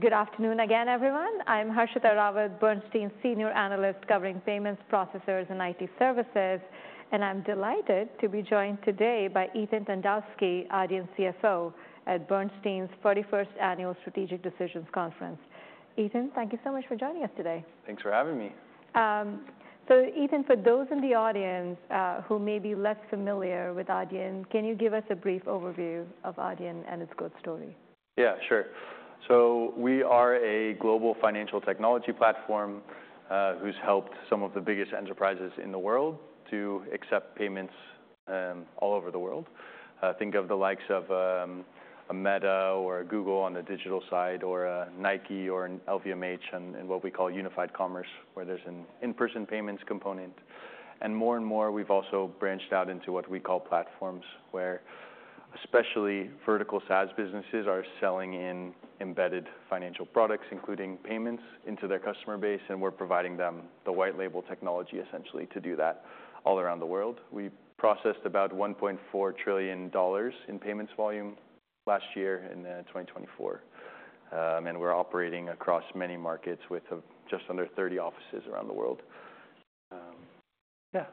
Good afternoon again, everyone. I'm Harshita Rawat, Bernstein's senior analyst covering payments, processors, and IT services, and I'm delighted to be joined today by Ethan Tandowsky, Adyen CFO at Bernstein's 41st Annual Strategic Decisions Conference. Ethan, thank you so much for joining us today. Thanks for having me. Ethan, for those in the audience who may be less familiar with Adyen, can you give us a brief overview of Adyen and its growth story? Yeah, sure. We are a global financial technology platform who's helped some of the biggest enterprises in the world to accept payments all over the world. Think of the likes of Meta or Google on the digital side, or Nike or LVMH in what we call unified commerce, where there's an in-person payments component. More and more, we've also branched out into what we call platforms, where especially vertical SaaS businesses are selling in embedded financial products, including payments into their customer base, and we're providing them the white label technology, essentially, to do that all around the world. We processed about $1.4 trillion in payments volume last year in 2024, and we're operating across many markets with just under 30 offices around the world. Yeah.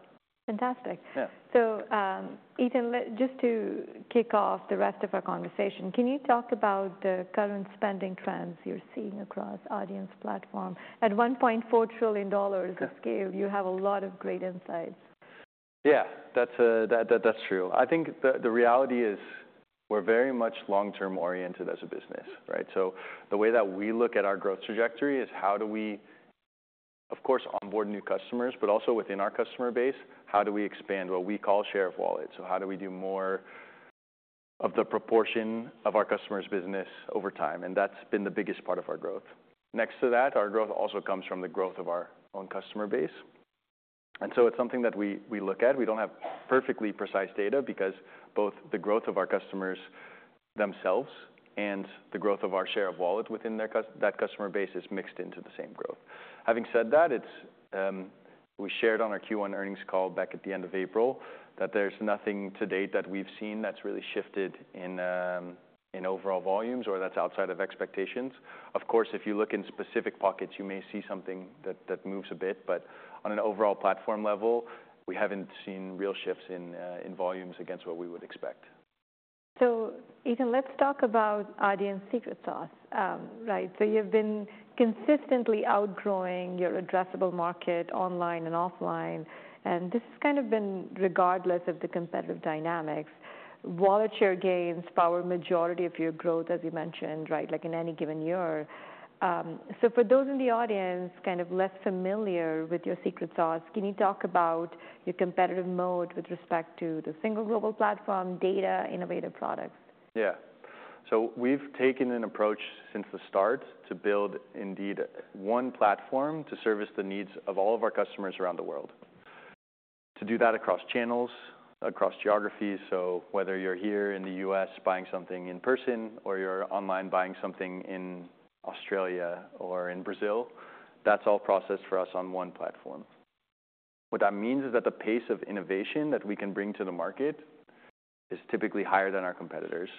Fantastic. Ethan, just to kick off the rest of our conversation, can you talk about the current spending trends you're seeing across Adyen's platform? At $1.4 trillion scale, you have a lot of great insights. Yeah, that's true. I think the reality is we're very much long-term oriented as a business, right? The way that we look at our growth trajectory is how do we, of course, onboard new customers, but also within our customer base, how do we expand what we call share of wallet? How do we do more of the proportion of our customer's business over time? That's been the biggest part of our growth. Next to that, our growth also comes from the growth of our own customer base. It's something that we look at. We don't have perfectly precise data because both the growth of our customers themselves and the growth of our share of wallet within that customer base is mixed into the same growth. Having said that, we shared on our Q1 earnings call back at the end of April that there's nothing to date that we've seen that's really shifted in overall volumes or that's outside of expectations. Of course, if you look in specific pockets, you may see something that moves a bit, but on an overall platform level, we haven't seen real shifts in volumes against what we would expect. Ethan, let's talk about Adyen's secret sauce, right? You've been consistently outgrowing your addressable market online and offline, and this has kind of been regardless of the competitive dynamics. Wallet share gains power a majority of your growth, as you mentioned, right, like in any given year. For those in the audience kind of less familiar with your secret sauce, can you talk about your competitive moat with respect to the single global platform, data, innovative products? Yeah. So we've taken an approach since the start to build indeed one platform to service the needs of all of our customers around the world. To do that across channels, across geographies, whether you're here in the U.S. buying something in person or you're online buying something in Australia or in Brazil, that's all processed for us on one platform. What that means is that the pace of innovation that we can bring to the market is typically higher than our competitors.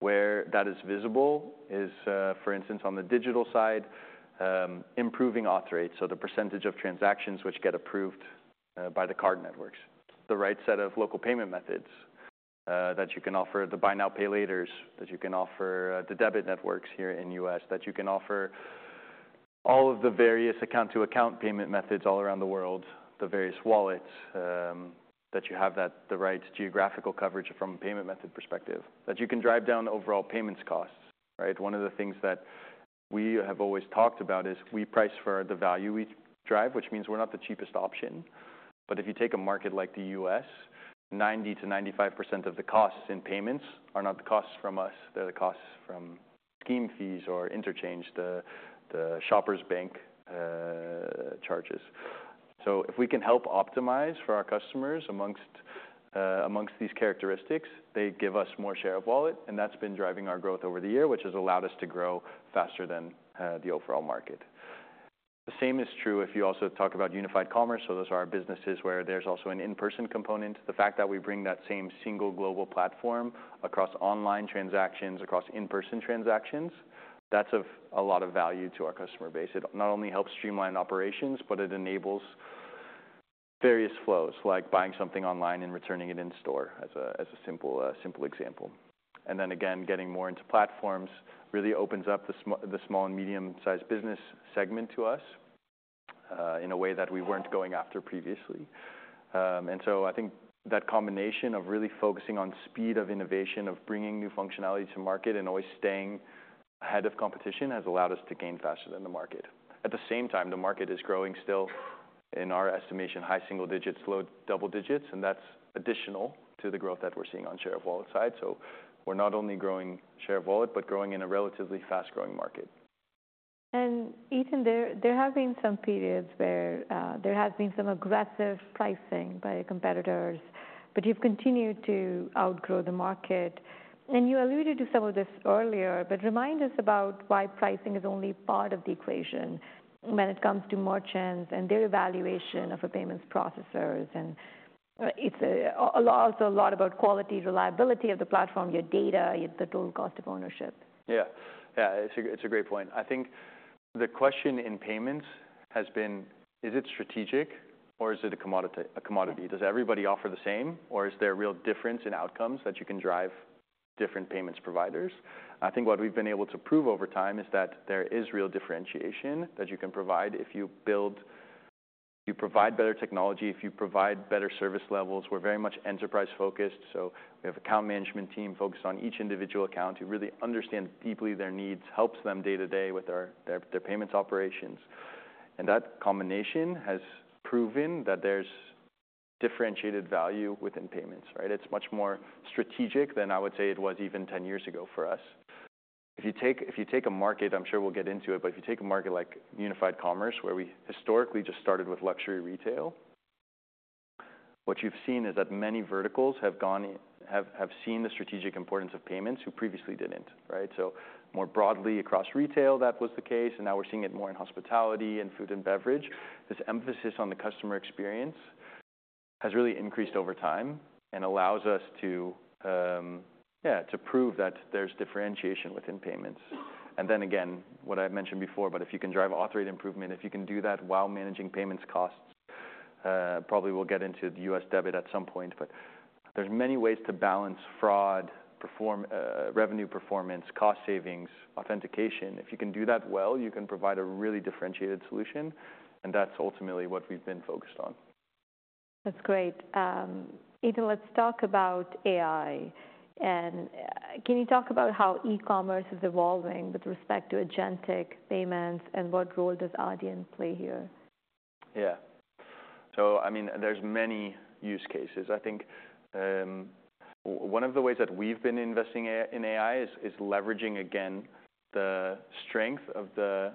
Where that is visible is, for instance, on the digital side, improving auth rates, so the percentage of transactions which get approved by the card networks, the right set of local payment methods that you can offer, the buy now, pay later that you can offer, the debit networks here in the U.S. that you can offer, all of the various account-to-account payment methods all around the world, the various wallets that you have, the right geographical coverage from a payment method perspective, that you can drive down overall payments costs, right? One of the things that we have always talked about is we price for the value we drive, which means we're not the cheapest option. If you take a market like the U.S., 90%-95% of the costs in payments are not the costs from us. They're the costs from scheme fees or interchange, the shopper's bank charges. If we can help optimize for our customers amongst these characteristics, they give us more share of wallet, and that's been driving our growth over the year, which has allowed us to grow faster than the overall market. The same is true if you also talk about unified commerce. Those are our businesses where there's also an in-person component. The fact that we bring that same single global platform across online transactions, across in-person transactions, that's of a lot of value to our customer base. It not only helps streamline operations, but it enables various flows, like buying something online and returning it in store, as a simple example. Getting more into platforms really opens up the small and medium-sized business segment to us in a way that we weren't going after previously. I think that combination of really focusing on speed of innovation, of bringing new functionality to market, and always staying ahead of competition has allowed us to gain faster than the market. At the same time, the market is growing still, in our estimation, high single digits, low double digits, and that's additional to the growth that we're seeing on share of wallet side. We are not only growing share of wallet, but growing in a relatively fast-growing market. Ethan, there have been some periods where there has been some aggressive pricing by competitors, but you've continued to outgrow the market. You alluded to some of this earlier, but remind us about why pricing is only part of the equation when it comes to merchants and their evaluation of the payments processors. It is also a lot about quality, reliability of the platform, your data, the total cost of ownership. Yeah, yeah, it's a great point. I think the question in payments has been, is it strategic or is it a commodity? Does everybody offer the same, or is there a real difference in outcomes that you can drive different payments providers? I think what we've been able to prove over time is that there is real differentiation that you can provide if you build, if you provide better technology, if you provide better service levels. We're very much enterprise-focused, so we have an account management team focused on each individual account who really understands deeply their needs, helps them day-to-day with their payments operations. That combination has proven that there's differentiated value within payments, right? It's much more strategic than I would say it was even 10 years ago for us. If you take a market, I'm sure we'll get into it, but if you take a market like unified commerce, where we historically just started with luxury retail, what you've seen is that many verticals have seen the strategic importance of payments who previously didn't, right? More broadly across retail, that was the case, and now we're seeing it more in hospitality and food and beverage. This emphasis on the customer experience has really increased over time and allows us to, yeah, to prove that there's differentiation within payments. What I mentioned before, if you can drive auth rate improvement, if you can do that while managing payments costs, probably we'll get into the U.S. debit at some point, but there's many ways to balance fraud, revenue performance, cost savings, authentication. If you can do that well, you can provide a really differentiated solution, and that's ultimately what we've been focused on. That's great. Ethan, let's talk about AI. Can you talk about how e-commerce is evolving with respect to agentic payments and what role does Adyen play here? Yeah. I mean, there's many use cases. I think one of the ways that we've been investing in AI is leveraging, again, the strength of the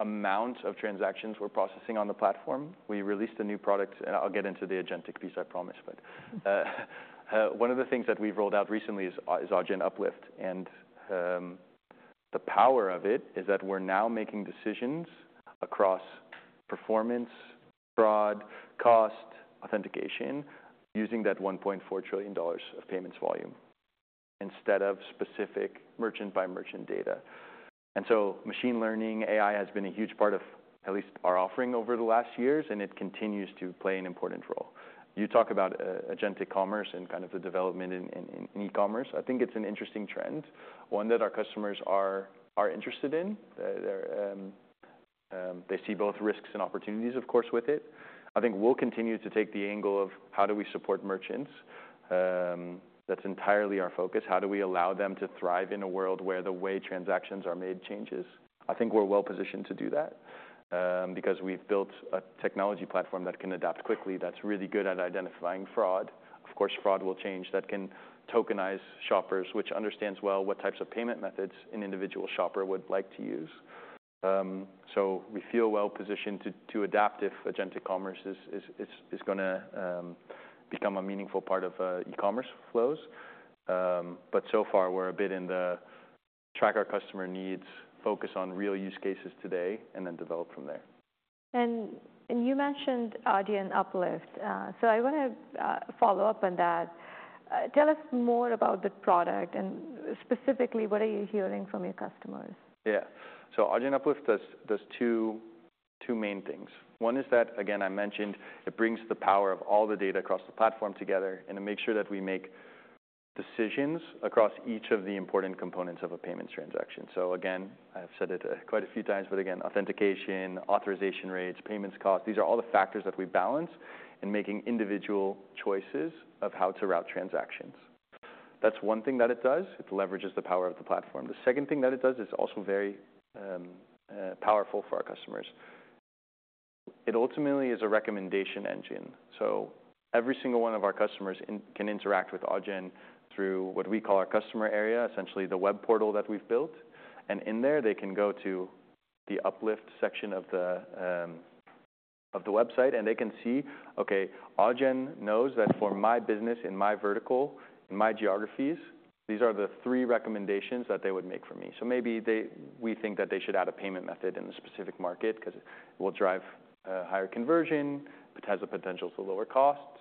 amount of transactions we're processing on the platform. We released a new product, and I'll get into the agentic piece, I promise, but one of the things that we've rolled out recently is Adyen Uplift, and the power of it is that we're now making decisions across performance, fraud, cost, authentication, using that $1.4 trillion of payments volume instead of specific merchant-by-merchant data. Machine learning, AI has been a huge part of at least our offering over the last years, and it continues to play an important role. You talk about agentic commerce and kind of the development in e-commerce. I think it's an interesting trend, one that our customers are interested in. They see both risks and opportunities, of course, with it. I think we'll continue to take the angle of how do we support merchants. That's entirely our focus. How do we allow them to thrive in a world where the way transactions are made changes? I think we're well positioned to do that because we've built a technology platform that can adapt quickly, that's really good at identifying fraud. Of course, fraud will change. That can tokenize shoppers, which understands well what types of payment methods an individual shopper would like to use. We feel well positioned to adapt if agentic commerce is going to become a meaningful part of e-commerce flows. So far, we're a bit in the track our customer needs, focus on real use cases today, and then develop from there. You mentioned Adyen Uplift. I want to follow up on that. Tell us more about the product and specifically what are you hearing from your customers? Yeah. Adyen Uplift does two main things. One is that, again, I mentioned it brings the power of all the data across the platform together and it makes sure that we make decisions across each of the important components of a payments transaction. Again, I've said it quite a few times, but authentication, authorization rates, payments costs, these are all the factors that we balance in making individual choices of how to route transactions. That is one thing that it does. It leverages the power of the platform. The second thing that it does is also very powerful for our customers. It ultimately is a recommendation engine. Every single one of our customers can interact with Adyen through what we call our customer area, essentially the web portal that we've built. In there, they can go to the uplift section of the website, and they can see, okay, Adyen knows that for my business in my vertical, in my geographies, these are the three recommendations that they would make for me. Maybe we think that they should add a payment method in a specific market because it will drive higher conversion, but has the potential to lower costs.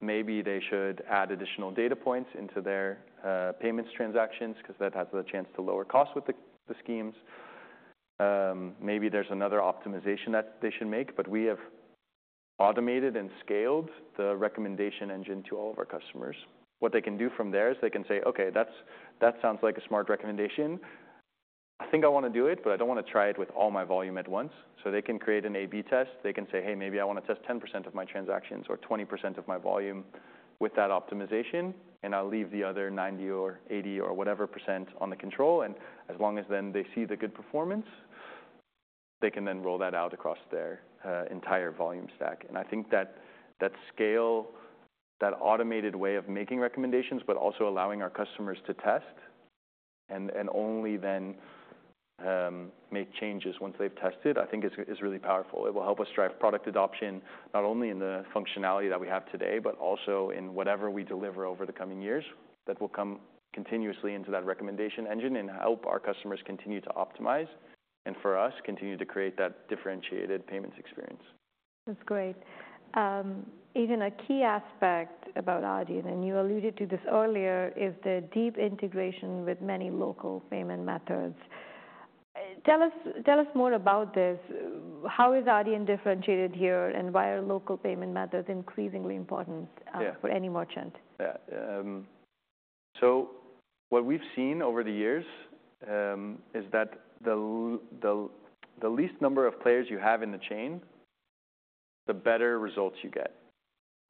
Maybe they should add additional data points into their payments transactions because that has the chance to lower costs with the schemes. Maybe there is another optimization that they should make, but we have automated and scaled the recommendation engine to all of our customers. What they can do from there is they can say, okay, that sounds like a smart recommendation. I think I want to do it, but I do not want to try it with all my volume at once. They can create an A/B test. They can say, hey, maybe I want to test 10% of my transactions or 20% of my volume with that optimization, and I'll leave the other 90% or 80% or whatever percent on the control. As long as then they see the good performance, they can then roll that out across their entire volume stack. I think that scale, that automated way of making recommendations, but also allowing our customers to test and only then make changes once they've tested, I think is really powerful. It will help us drive product adoption, not only in the functionality that we have today, but also in whatever we deliver over the coming years that will come continuously into that recommendation engine and help our customers continue to optimize and for us continue to create that differentiated payments experience. That's great. Ethan, a key aspect about Adyen, and you alluded to this earlier, is the deep integration with many local payment methods. Tell us more about this. How is Adyen differentiated here and why are local payment methods increasingly important for any merchant? Yeah. So what we've seen over the years is that the least number of players you have in the chain, the better results you get.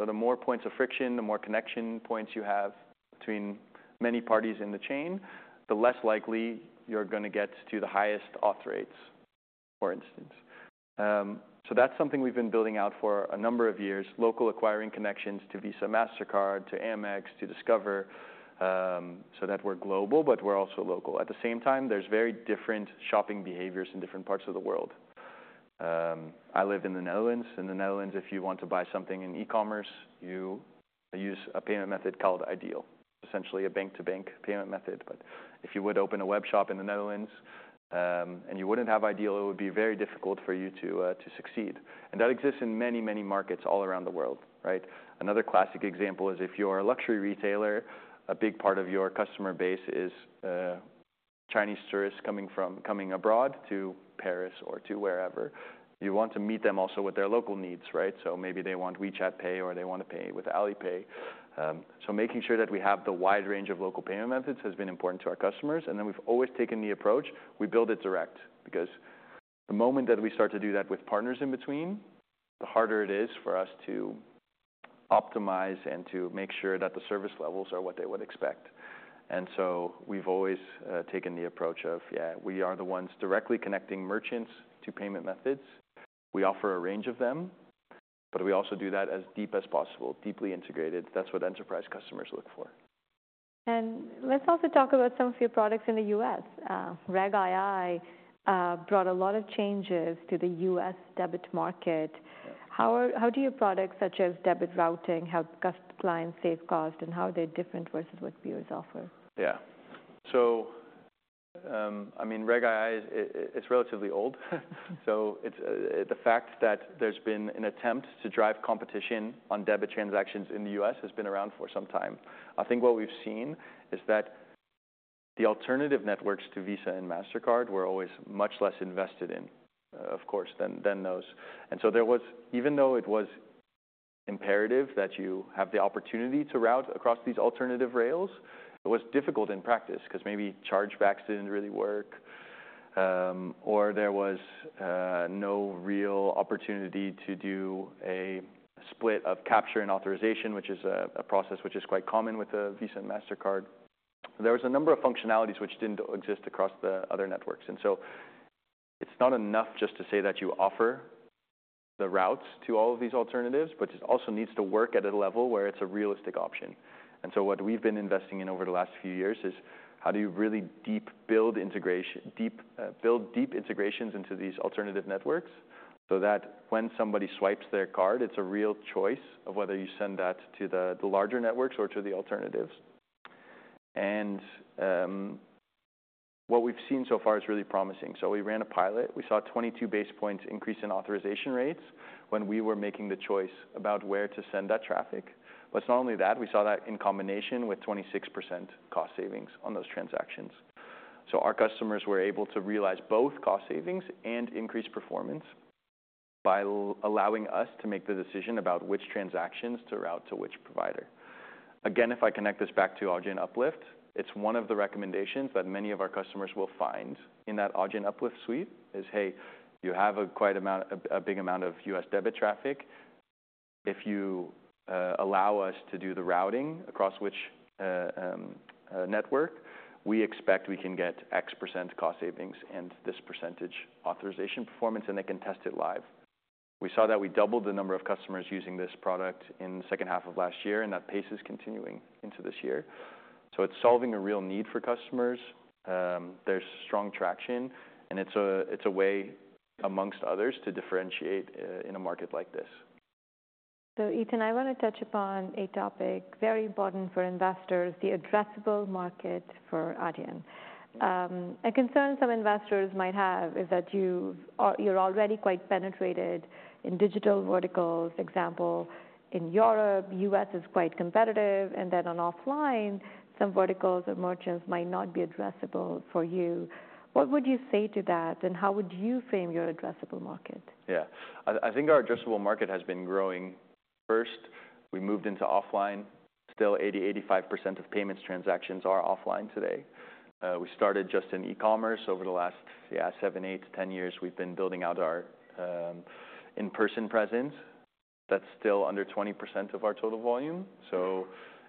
The more points of friction, the more connection points you have between many parties in the chain, the less likely you're going to get to the highest auth rates, for instance. That's something we've been building out for a number of years, local acquiring connections to Visa, Mastercard, to Amex, to Discover, so that we're global, but we're also local. At the same time, there's very different shopping behaviors in different parts of the world. I live in the Netherlands. In the Netherlands, if you want to buy something in e-commerce, you use a payment method called iDEAL, essentially a bank-to-bank payment method. If you would open a web shop in the Netherlands and you would not have iDEAL, it would be very difficult for you to succeed. That exists in many, many markets all around the world, right? Another classic example is if you are a luxury retailer, a big part of your customer base is Chinese tourists coming abroad to Paris or to wherever. You want to meet them also with their local needs, right? Maybe they want WeChat Pay or they want to pay with Alipay. Making sure that we have the wide range of local payment methods has been important to our customers. We have always taken the approach we build it direct because the moment that we start to do that with partners in between, the harder it is for us to optimize and to make sure that the service levels are what they would expect. We have always taken the approach of, yeah, we are the ones directly connecting merchants to payment methods. We offer a range of them, but we also do that as deep as possible, deeply integrated. That is what enterprise customers look for. Let's also talk about some of your products in the U.S. Regulation II brought a lot of changes to the U.S. debit market. How do your products, such as debit routing, help customers save cost, and how are they different versus what peers offer? Yeah. I mean, Reg II, it's relatively old. The fact that there's been an attempt to drive competition on debit transactions in the U.S. has been around for some time. I think what we've seen is that the alternative networks to Visa and Mastercard were always much less invested in, of course, than those. There was, even though it was imperative that you have the opportunity to route across these alternative rails, it was difficult in practice because maybe chargebacks didn't really work, or there was no real opportunity to do a split of capture and authorization, which is a process which is quite common with Visa and Mastercard. There were a number of functionalities which didn't exist across the other networks. It is not enough just to say that you offer the routes to all of these alternatives, but it also needs to work at a level where it is a realistic option. What we have been investing in over the last few years is how do you really deep build integrations into these alternative networks so that when somebody swipes their card, it is a real choice of whether you send that to the larger networks or to the alternatives. What we have seen so far is really promising. We ran a pilot. We saw 22 basis points increase in authorization rates when we were making the choice about where to send that traffic. It is not only that. We saw that in combination with 26% cost savings on those transactions. Our customers were able to realize both cost savings and increased performance by allowing us to make the decision about which transactions to route to which provider. Again, if I connect this back to Adyen Uplift, one of the recommendations that many of our customers will find in that Adyen Uplift suite is, hey, you have quite a big amount of U.S. debit traffic. If you allow us to do the routing across which network, we expect we can get X% cost savings and this percentage authorization performance, and they can test it live. We saw that we doubled the number of customers using this product in the second half of last year, and that pace is continuing into this year. It is solving a real need for customers. There is strong traction, and it is a way amongst others to differentiate in a market like this. Ethan, I want to touch upon a topic very important for investors, the addressable market for Adyen. A concern some investors might have is that you're already quite penetrated in digital verticals. Example, in Europe, U.S. is quite competitive, and then on offline, some verticals or merchants might not be addressable for you. What would you say to that, and how would you frame your addressable market? Yeah. I think our addressable market has been growing. First, we moved into offline. Still, 80-85% of payments transactions are offline today. We started just in e-commerce over the last, yeah, seven, eight, ten years. We've been building out our in-person presence. That's still under 20% of our total volume.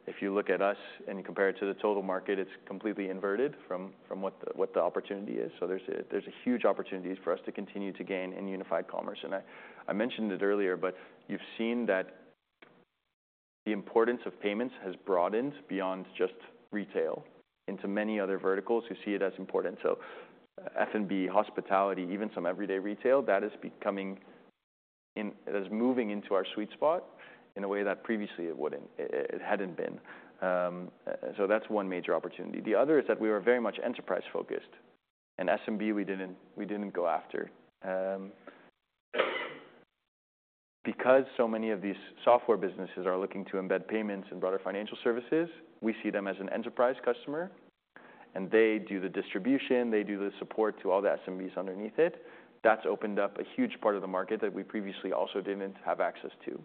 If you look at us and compare it to the total market, it's completely inverted from what the opportunity is. There's a huge opportunity for us to continue to gain in unified commerce. I mentioned it earlier, but you've seen that the importance of payments has broadened beyond just retail into many other verticals who see it as important. F&B, hospitality, even some everyday retail, that is becoming, that is moving into our sweet spot in a way that previously it hadn't been. That's one major opportunity. The other is that we were very much enterprise-focused. S&B, we did not go after. Because so many of these software businesses are looking to embed payments and broader financial services, we see them as an enterprise customer, and they do the distribution. They do the support to all the S&Bs underneath it. That has opened up a huge part of the market that we previously also did not have access to.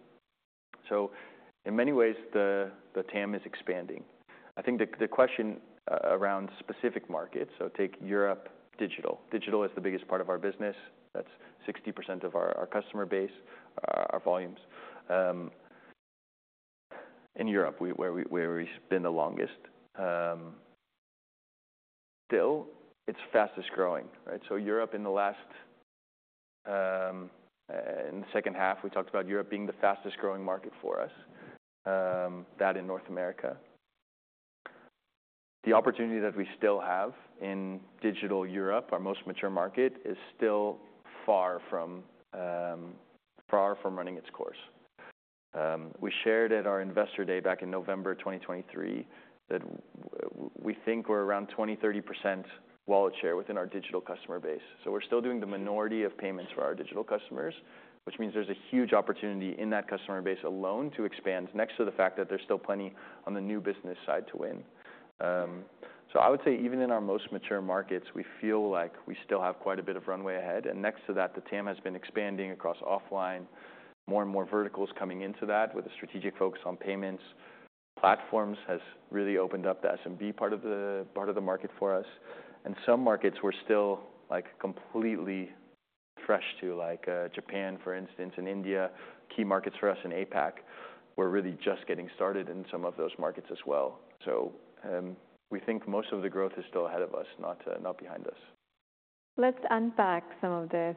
In many ways, the TAM is expanding. I think the question around specific markets, take Europe digital. Digital is the biggest part of our business. That is 60% of our customer base, our volumes. In Europe, where we have been the longest. Still, it is fastest growing, right? Europe in the last, in the second half, we talked about Europe being the fastest growing market for us. That in North America. The opportunity that we still have in digital Europe, our most mature market, is still far from running its course. We shared at our investor day back in November 2023 that we think we're around 20-30% wallet share within our digital customer base. We're still doing the minority of payments for our digital customers, which means there's a huge opportunity in that customer base alone to expand next to the fact that there's still plenty on the new business side to win. I would say even in our most mature markets, we feel like we still have quite a bit of runway ahead. Next to that, the TAM has been expanding across offline, more and more verticals coming into that with a strategic focus on payments. Platforms has really opened up the S&B part of the market for us. Some markets we're still completely fresh to, like Japan, for instance, and India, key markets for us in APAC, we're really just getting started in some of those markets as well. We think most of the growth is still ahead of us, not behind us. Let's unpack some of this.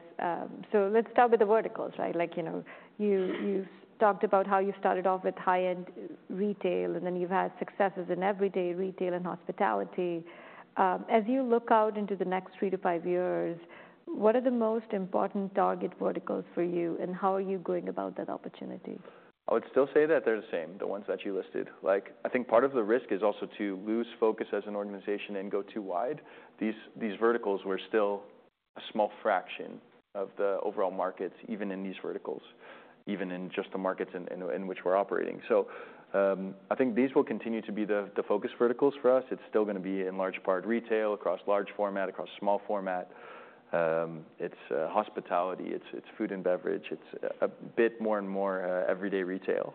Let's start with the verticals, right? Like you've talked about how you started off with high-end retail, and then you've had successes in everyday retail and hospitality. As you look out into the next three to five years, what are the most important target verticals for you, and how are you going about that opportunity? I would still say that they're the same, the ones that you listed. I think part of the risk is also to lose focus as an organization and go too wide. These verticals were still a small fraction of the overall markets, even in these verticals, even in just the markets in which we're operating. I think these will continue to be the focus verticals for us. It's still going to be in large part retail across large format, across small format. It's hospitality. It's food and beverage. It's a bit more and more everyday retail.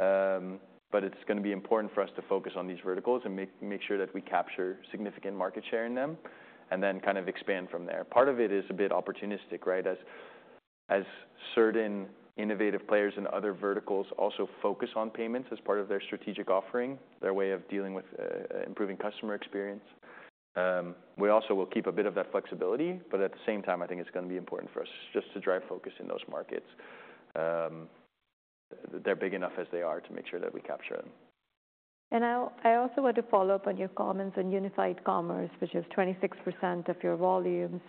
It is going to be important for us to focus on these verticals and make sure that we capture significant market share in them and then kind of expand from there. Part of it is a bit opportunistic, right? As certain innovative players in other verticals also focus on payments as part of their strategic offering, their way of dealing with improving customer experience, we also will keep a bit of that flexibility. At the same time, I think it's going to be important for us just to drive focus in those markets. They're big enough as they are to make sure that we capture them. I also want to follow up on your comments on unified commerce, which is 26% of your volumes.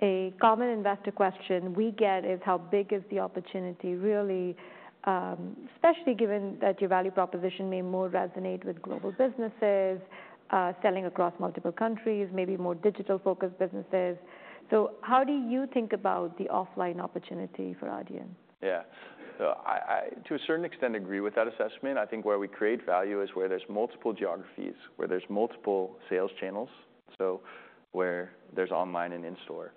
A common investor question we get is how big is the opportunity, really, especially given that your value proposition may more resonate with global businesses, selling across multiple countries, maybe more digital-focused businesses. How do you think about the offline opportunity for Adyen? Yeah. To a certain extent, I agree with that assessment. I think where we create value is where there's multiple geographies, where there's multiple sales channels, so where there's online and in-store,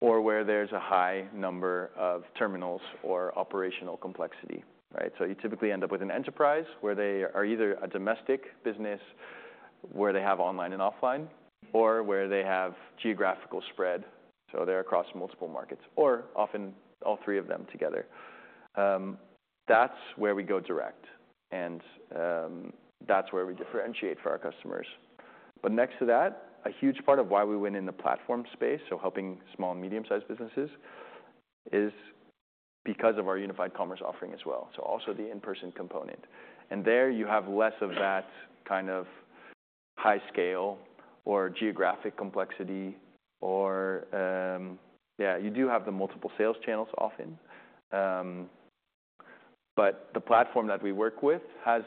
or where there's a high number of terminals or operational complexity, right? You typically end up with an enterprise where they are either a domestic business where they have online and offline, or where they have geographical spread, so they're across multiple markets, or often all three of them together. That's where we go direct, and that's where we differentiate for our customers. Next to that, a huge part of why we win in the platform space, so helping small and medium-sized businesses, is because of our unified commerce offering as well, so also the in-person component. There you have less of that kind of high scale or geographic complexity or, yeah, you do have the multiple sales channels often. The platform that we work with has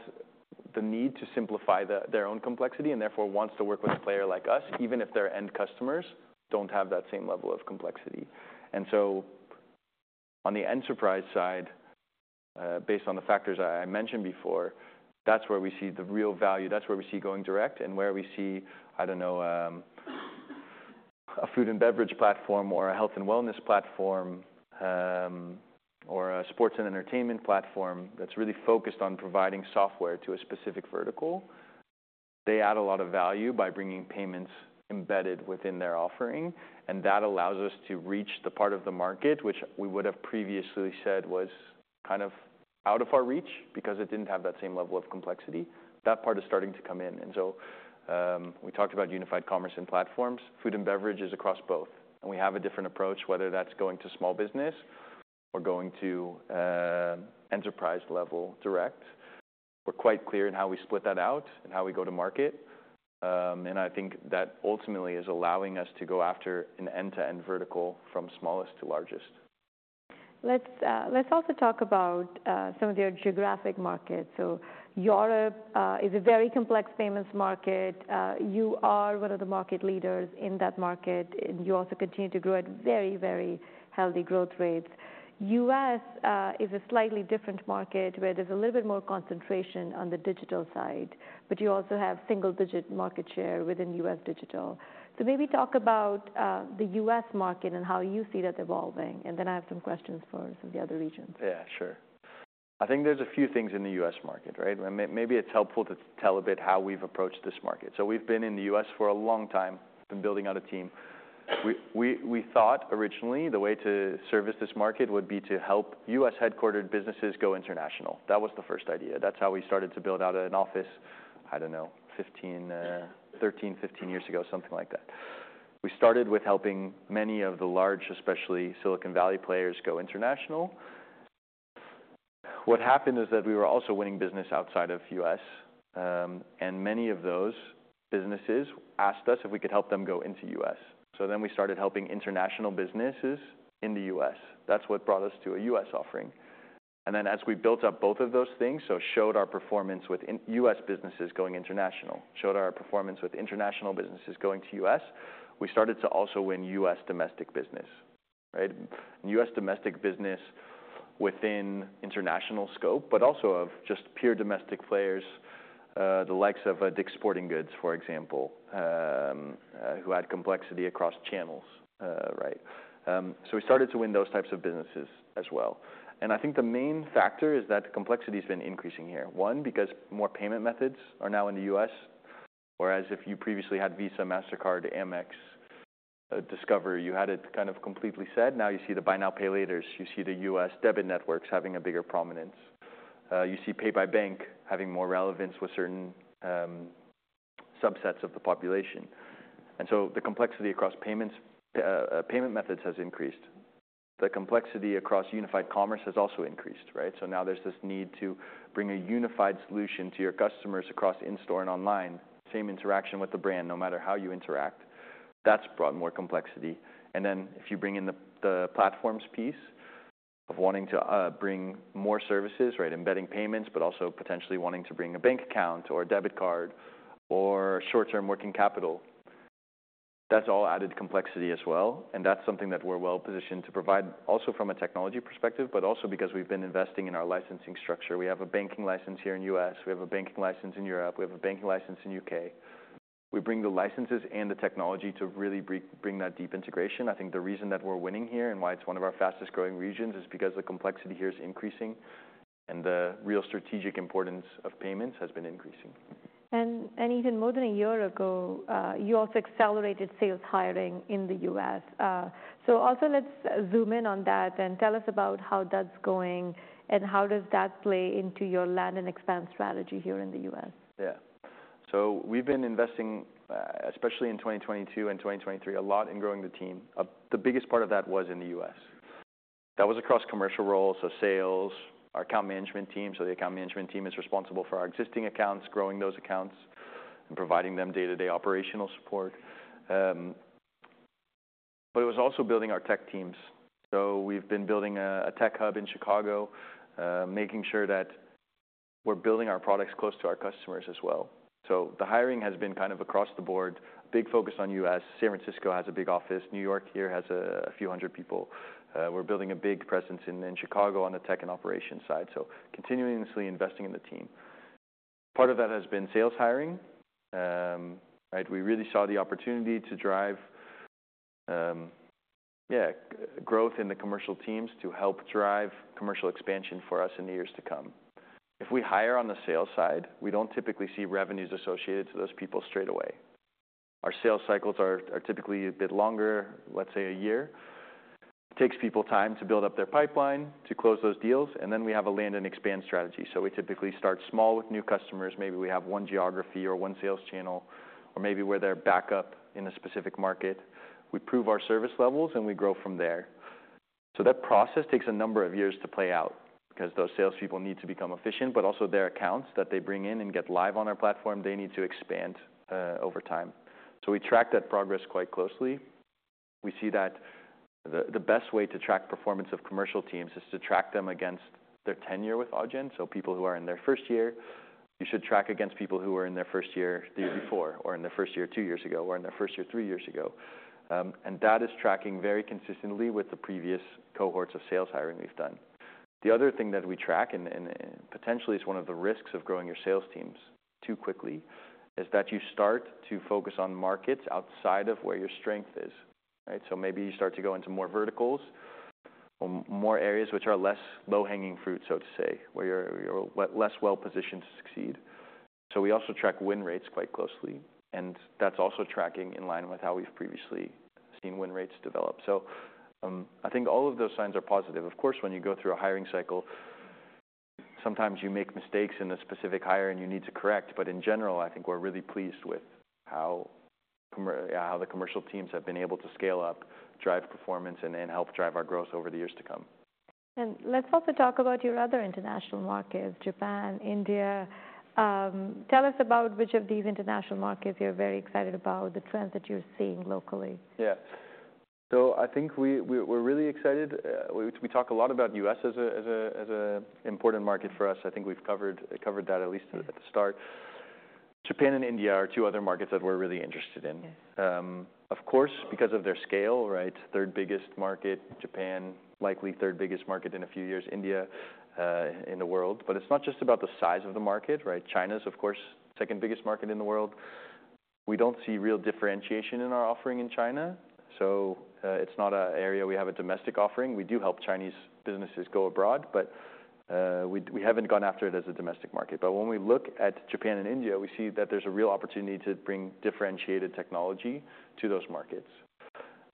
the need to simplify their own complexity and therefore wants to work with a player like us, even if their end customers do not have that same level of complexity. On the enterprise side, based on the factors I mentioned before, that is where we see the real value. That is where we see going direct and where we see, I do not know, a food and beverage platform or a health and wellness platform or a sports and entertainment platform that is really focused on providing software to a specific vertical. They add a lot of value by bringing payments embedded within their offering, and that allows us to reach the part of the market which we would have previously said was kind of out of our reach because it did not have that same level of complexity. That part is starting to come in. We talked about unified commerce and platforms. Food and beverage is across both, and we have a different approach, whether that is going to small business or going to enterprise level direct. We are quite clear in how we split that out and how we go to market. I think that ultimately is allowing us to go after an end-to-end vertical from smallest to largest. Let's also talk about some of your geographic markets. Europe is a very complex payments market. You are one of the market leaders in that market, and you also continue to grow at very, very healthy growth rates. The U.S. is a slightly different market where there is a little bit more concentration on the digital side, but you also have single-digit market share within U.S. digital. Maybe talk about the U.S. market and how you see that evolving, and then I have some questions for some of the other regions. Yeah, sure. I think there's a few things in the U.S. market, right? Maybe it's helpful to tell a bit how we've approached this market. We've been in the U.S. for a long time, been building out a team. We thought originally the way to service this market would be to help U.S. headquartered businesses go international. That was the first idea. That's how we started to build out an office, I don't know, 13, 15 years ago, something like that. We started with helping many of the large, especially Silicon Valley players, go international. What happened is that we were also winning business outside of the U.S., and many of those businesses asked us if we could help them go into the U.S. We started helping international businesses in the U.S. That's what brought us to a U.S. offering. As we built up both of those things, showed our performance with U.S. businesses going international, showed our performance with international businesses going to the U.S., we started to also win U.S. domestic business, right? U.S. domestic business within international scope, but also just pure domestic players, the likes of Dick's Sporting Goods, for example, who had complexity across channels, right? We started to win those types of businesses as well. I think the main factor is that complexity has been increasing here. One, because more payment methods are now in the U.S., whereas if you previously had Visa, Mastercard, Amex, Discover, you had it kind of completely set. Now you see the Buy Now, Pay Laters. You see the U.S. debit networks having a bigger prominence. You see Pay by Bank having more relevance with certain subsets of the population. The complexity across payment methods has increased. The complexity across unified commerce has also increased, right? Now there is this need to bring a unified solution to your customers across in-store and online, same interaction with the brand, no matter how you interact. That has brought more complexity. If you bring in the platforms piece of wanting to bring more services, right, embedding payments, but also potentially wanting to bring a bank account or a debit card or short-term working capital, that is all added complexity as well. That is something that we are well positioned to provide also from a technology perspective, but also because we have been investing in our licensing structure. We have a banking license here in the U.S. We have a banking license in Europe. We have a banking license in the U.K. We bring the licenses and the technology to really bring that deep integration. I think the reason that we're winning here and why it's one of our fastest growing regions is because the complexity here is increasing and the real strategic importance of payments has been increasing. Even more than a year ago, you also accelerated sales hiring in the U.S. Also, let's zoom in on that and tell us about how that's going and how does that play into your land and expand strategy here in the U.S. Yeah. So we've been investing, especially in 2022 and 2023, a lot in growing the team. The biggest part of that was in the U.S. That was across commercial roles, so sales, our account management team. So the account management team is responsible for our existing accounts, growing those accounts, and providing them day-to-day operational support. It was also building our tech teams. We've been building a tech hub in Chicago, making sure that we're building our products close to our customers as well. The hiring has been kind of across the board, big focus on U.S. San Francisco has a big office. New York here has a few hundred people. We're building a big presence in Chicago on the tech and operations side, so continuously investing in the team. Part of that has been sales hiring, right? We really saw the opportunity to drive, yeah, growth in the commercial teams to help drive commercial expansion for us in the years to come. If we hire on the sales side, we do not typically see revenues associated to those people straight away. Our sales cycles are typically a bit longer, let's say a year. It takes people time to build up their pipeline, to close those deals, and then we have a land and expand strategy. We typically start small with new customers. Maybe we have one geography or one sales channel, or maybe where they are backup in a specific market. We prove our service levels and we grow from there. That process takes a number of years to play out because those salespeople need to become efficient, but also their accounts that they bring in and get live on our platform, they need to expand over time. We track that progress quite closely. We see that the best way to track performance of commercial teams is to track them against their tenure with Adyen. People who are in their first year, you should track against people who were in their first year the year before or in their first year two years ago or in their first year three years ago. That is tracking very consistently with the previous cohorts of sales hiring we have done. The other thing that we track and potentially is one of the risks of growing your sales teams too quickly is that you start to focus on markets outside of where your strength is, right? Maybe you start to go into more verticals or more areas which are less low-hanging fruit, so to say, where you're less well-positioned to succeed. We also track win rates quite closely, and that's also tracking in line with how we've previously seen win rates develop. I think all of those signs are positive. Of course, when you go through a hiring cycle, sometimes you make mistakes in a specific hire and you need to correct, but in general, I think we're really pleased with how the commercial teams have been able to scale up, drive performance, and help drive our growth over the years to come. Let's also talk about your other international markets, Japan, India. Tell us about which of these international markets you're very excited about, the trends that you're seeing locally. Yeah. So I think we're really excited. We talk a lot about U.S. as an important market for us. I think we've covered that at least at the start. Japan and India are two other markets that we're really interested in. Of course, because of their scale, right? Third biggest market, Japan, likely third biggest market in a few years, India in the world. It is not just about the size of the market, right? China is, of course, second biggest market in the world. We do not see real differentiation in our offering in China, so it is not an area we have a domestic offering. We do help Chinese businesses go abroad, but we have not gone after it as a domestic market. When we look at Japan and India, we see that there is a real opportunity to bring differentiated technology to those markets.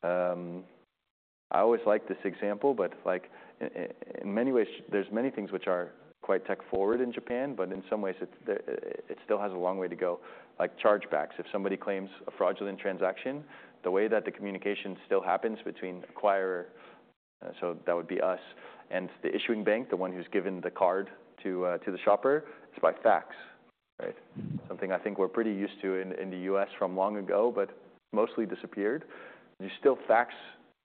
I always like this example, but in many ways, there's many things which are quite tech-forward in Japan, but in some ways, it still has a long way to go. Like chargebacks, if somebody claims a fraudulent transaction, the way that the communication still happens between acquirer, so that would be us, and the issuing bank, the one who's given the card to the shopper, it's by fax, right? Something I think we're pretty used to in the U.S. from long ago, but mostly disappeared. You still fax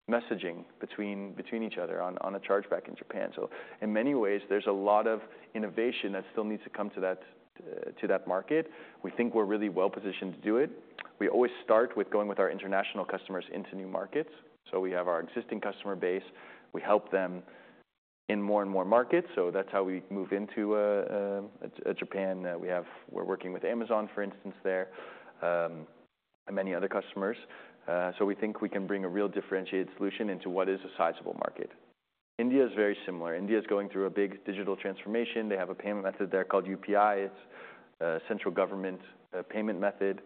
messaging between each other on a chargeback in Japan. In many ways, there's a lot of innovation that still needs to come to that market. We think we're really well-positioned to do it. We always start with going with our international customers into new markets. We have our existing customer base. We help them in more and more markets. That's how we move into Japan. We're working with Amazon, for instance, there and many other customers. We think we can bring a real differentiated solution into what is a sizable market. India is very similar. India is going through a big digital transformation. They have a payment method there called UPI. It's a central government payment method.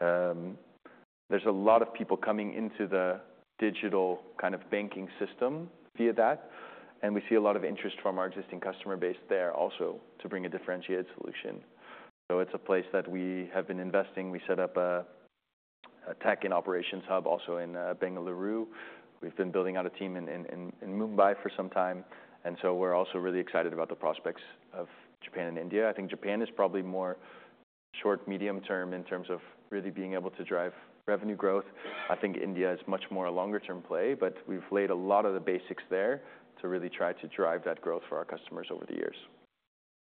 There's a lot of people coming into the digital kind of banking system via that, and we see a lot of interest from our existing customer base there also to bring a differentiated solution. It's a place that we have been investing. We set up a tech and operations hub also in Bengaluru. We've been building out a team in Mumbai for some time, and we're also really excited about the prospects of Japan and India. I think Japan is probably more short, medium-term in terms of really being able to drive revenue growth. I think India is much more a longer-term play, but we have laid a lot of the basics there to really try to drive that growth for our customers over the years.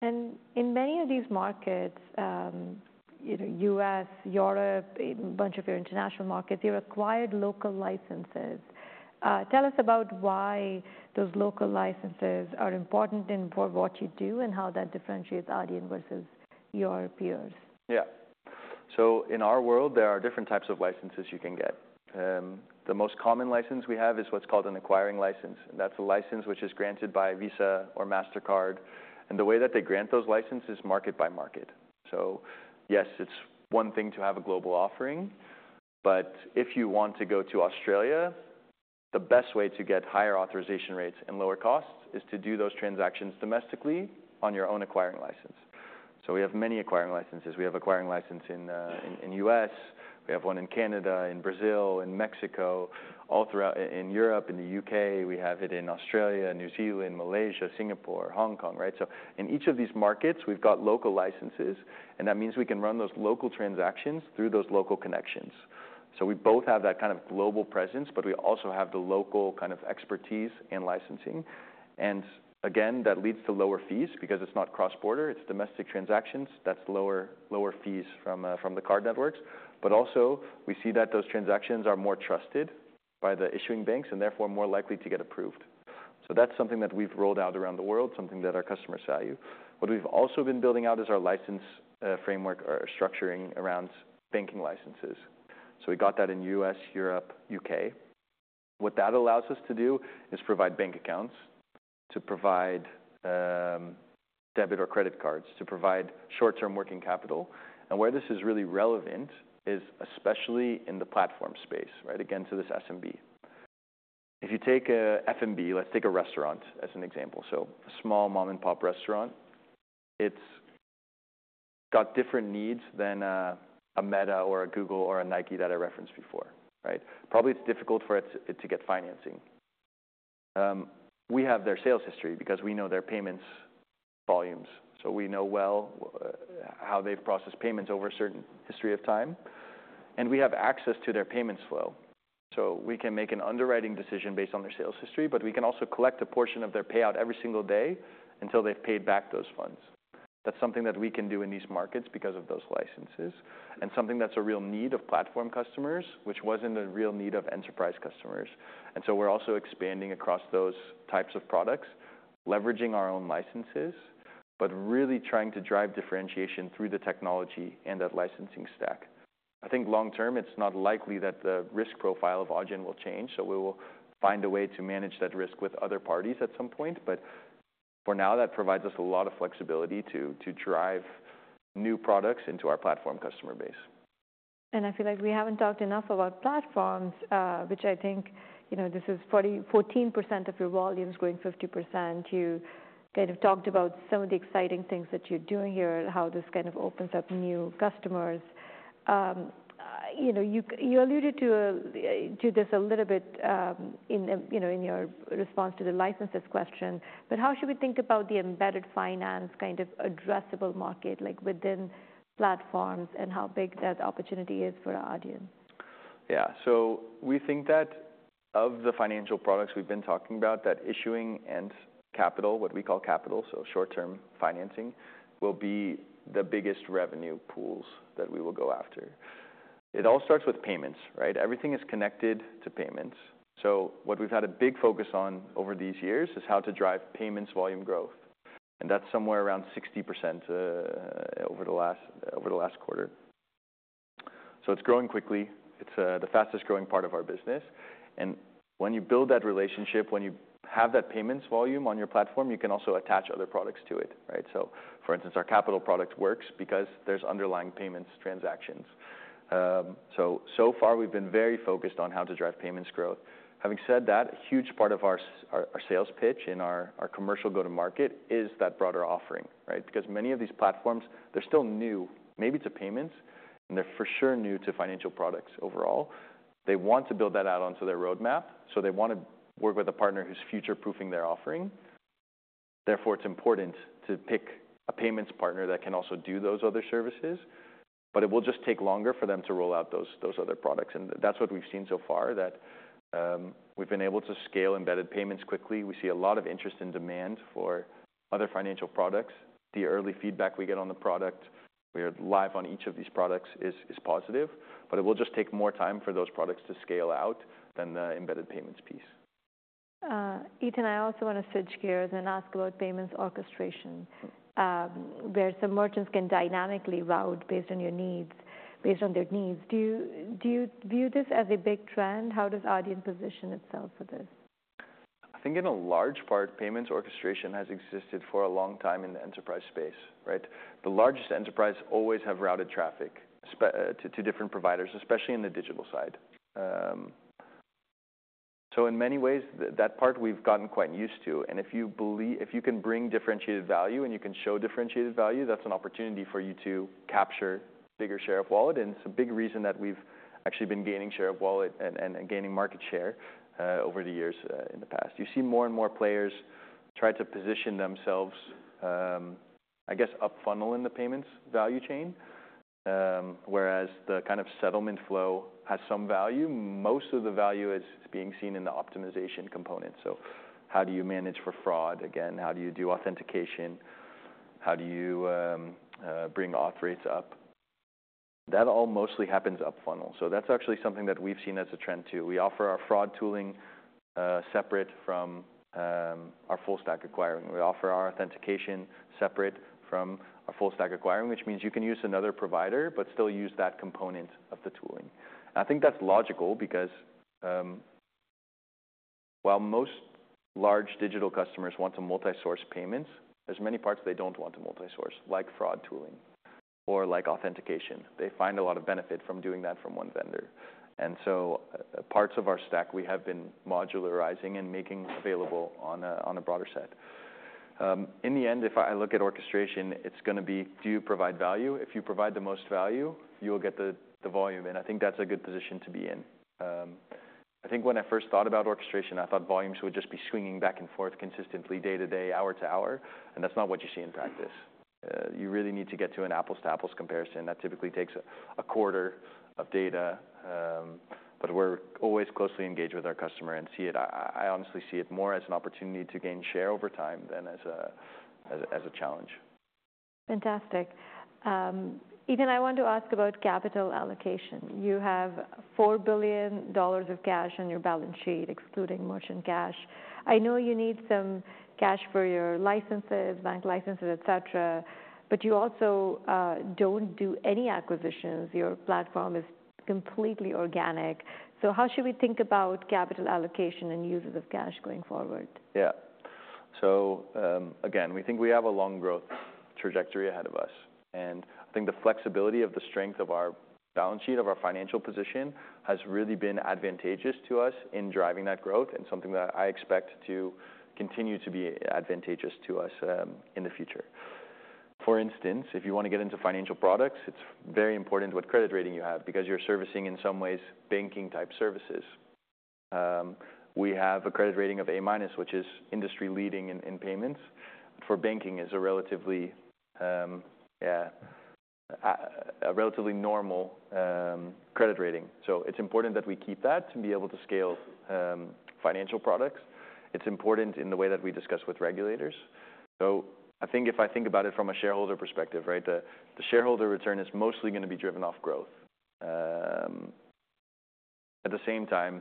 In many of these markets, U.S., Europe, a bunch of your international markets, you've acquired local licenses. Tell us about why those local licenses are important for what you do and how that differentiates Adyen versus your peers. Yeah. In our world, there are different types of licenses you can get. The most common license we have is what's called an acquiring license, and that's a license which is granted by Visa or Mastercard. The way that they grant those licenses is market by market. Yes, it's one thing to have a global offering, but if you want to go to Australia, the best way to get higher authorization rates and lower costs is to do those transactions domestically on your own acquiring license. We have many acquiring licenses. We have an acquiring license in the U.S. We have one in Canada, in Brazil, in Mexico, all throughout Europe, in the U.K. We have it in Australia, New Zealand, Malaysia, Singapore, Hong Kong, right? In each of these markets, we've got local licenses, and that means we can run those local transactions through those local connections. We both have that kind of global presence, but we also have the local kind of expertise and licensing. That leads to lower fees because it's not cross-border. It's domestic transactions. That's lower fees from the card networks. We also see that those transactions are more trusted by the issuing banks and therefore more likely to get approved. That's something that we've rolled out around the world, something that our customers value. What we've also been building out is our license framework or structuring around banking licenses. We got that in the U.S., Europe, and the U.K. What that allows us to do is provide bank accounts, to provide debit or credit cards, to provide short-term working capital. Where this is really relevant is especially in the platform space, right? Again, to this SMB. If you take an F&B, let's take a restaurant as an example. A small mom-and-pop restaurant has different needs than a Meta or a Google or a Nike that I referenced before, right? Probably it's difficult for it to get financing. We have their sales history because we know their payments volumes. We know well how they've processed payments over a certain history of time. We have access to their payments flow. We can make an underwriting decision based on their sales history, but we can also collect a portion of their payout every single day until they've paid back those funds. That's something that we can do in these markets because of those licenses and something that's a real need of platform customers, which wasn't a real need of enterprise customers. We are also expanding across those types of products, leveraging our own licenses, but really trying to drive differentiation through the technology and that licensing stack. I think long-term, it's not likely that the risk profile of Adyen will change. We will find a way to manage that risk with other parties at some point. For now, that provides us a lot of flexibility to drive new products into our platform customer base. I feel like we have not talked enough about platforms, which I think this is 14% of your volumes growing 50%. You kind of talked about some of the exciting things that you are doing here, how this kind of opens up new customers. You alluded to this a little bit in your response to the licenses question, but how should we think about the embedded finance kind of addressable market within platforms and how big that opportunity is for Adyen? Yeah. We think that of the financial products we've been talking about, that issuing and capital, what we call capital, so short-term financing, will be the biggest revenue pools that we will go after. It all starts with payments, right? Everything is connected to payments. What we've had a big focus on over these years is how to drive payments volume growth. That is somewhere around 60% over the last quarter. It is growing quickly. It is the fastest growing part of our business. When you build that relationship, when you have that payments volume on your platform, you can also attach other products to it, right? For instance, our capital product works because there are underlying payments transactions. So far, we've been very focused on how to drive payments growth. Having said that, a huge part of our sales pitch and our commercial go-to-market is that broader offering, right? Because many of these platforms, they're still new. Maybe it's a payments, and they're for sure new to financial products overall. They want to build that out onto their roadmap. They want to work with a partner who's future-proofing their offering. Therefore, it's important to pick a payments partner that can also do those other services, but it will just take longer for them to roll out those other products. That's what we've seen so far, that we've been able to scale embedded payments quickly. We see a lot of interest in demand for other financial products. The early feedback we get on the product, we are live on each of these products, is positive, but it will just take more time for those products to scale out than the embedded payments piece. Ethan, I also want to switch gears and ask about payments orchestration, where some merchants can dynamically route based on your needs, based on their needs. Do you view this as a big trend? How does Adyen position itself for this? I think in a large part, payments orchestration has existed for a long time in the enterprise space, right? The largest enterprise always has routed traffic to different providers, especially in the digital side. In many ways, that part we've gotten quite used to. If you can bring differentiated value and you can show differentiated value, that's an opportunity for you to capture a bigger share of wallet. It's a big reason that we've actually been gaining share of wallet and gaining market share over the years in the past. You see more and more players try to position themselves, I guess, up funnel in the payments value chain, whereas the kind of settlement flow has some value. Most of the value is being seen in the optimization component. How do you manage for fraud? Again, how do you do authentication? How do you bring auth rates up? That all mostly happens up funnel. That is actually something that we have seen as a trend too. We offer our fraud tooling separate from our full-stack acquiring. We offer our authentication separate from our full-stack acquiring, which means you can use another provider, but still use that component of the tooling. I think that is logical because while most large digital customers want to multi-source payments, there are many parts they do not want to multi-source, like fraud tooling or like authentication. They find a lot of benefit from doing that from one vendor. Parts of our stack we have been modularizing and making available on a broader set. In the end, if I look at orchestration, it is going to be do you provide value? If you provide the most value, you will get the volume. I think that's a good position to be in. I think when I first thought about orchestration, I thought volumes would just be swinging back and forth consistently day to day, hour to hour, and that's not what you see in practice. You really need to get to an apples-to-apples comparison. That typically takes a quarter of data, but we're always closely engaged with our customer and see it. I honestly see it more as an opportunity to gain share over time than as a challenge. Fantastic. Ethan, I want to ask about capital allocation. You have $4 billion of cash on your balance sheet, excluding merchant cash. I know you need some cash for your licenses, bank licenses, etc., but you also do not do any acquisitions. Your platform is completely organic. How should we think about capital allocation and uses of cash going forward? Yeah. So again, we think we have a long growth trajectory ahead of us. I think the flexibility of the strength of our balance sheet, of our financial position, has really been advantageous to us in driving that growth and something that I expect to continue to be advantageous to us in the future. For instance, if you want to get into financial products, it's very important what credit rating you have because you're servicing in some ways banking-type services. We have a credit rating of A-minus, which is industry-leading in payments. For banking, it's a relatively normal credit rating. It's important that we keep that to be able to scale financial products. It's important in the way that we discuss with regulators. I think if I think about it from a shareholder perspective, right, the shareholder return is mostly going to be driven off growth. At the same time,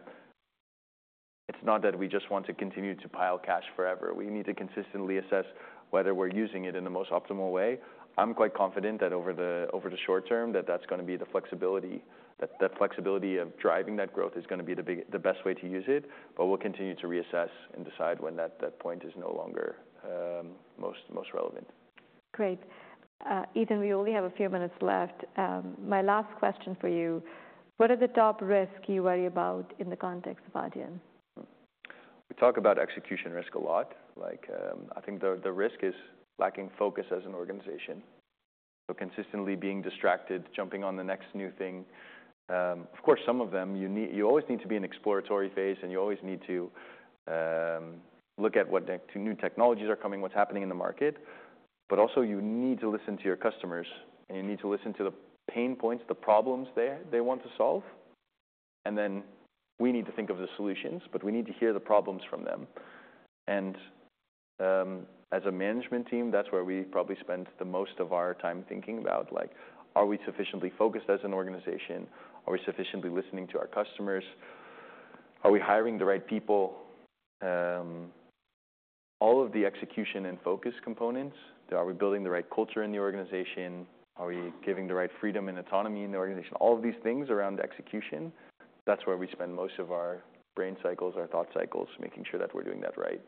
it's not that we just want to continue to pile cash forever. We need to consistently assess whether we're using it in the most optimal way. I'm quite confident that over the short term, that that's going to be the flexibility. That flexibility of driving that growth is going to be the best way to use it, but we'll continue to reassess and decide when that point is no longer most relevant. Great. Ethan, we only have a few minutes left. My last question for you, what are the top risks you worry about in the context of Adyen? We talk about execution risk a lot. I think the risk is lacking focus as an organization. Consistently being distracted, jumping on the next new thing. Of course, some of them, you always need to be in exploratory phase, and you always need to look at what new technologies are coming, what's happening in the market. You also need to listen to your customers, and you need to listen to the pain points, the problems they want to solve. We need to think of the solutions, but we need to hear the problems from them. As a management team, that's where we probably spend most of our time thinking about, are we sufficiently focused as an organization? Are we sufficiently listening to our customers? Are we hiring the right people? All of the execution and focus components, are we building the right culture in the organization? Are we giving the right freedom and autonomy in the organization? All of these things around execution, that's where we spend most of our brain cycles, our thought cycles, making sure that we're doing that right.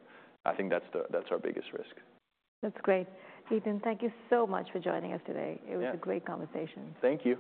I think that's our biggest risk. That's great. Ethan, thank you so much for joining us today. It was a great conversation. Thank you.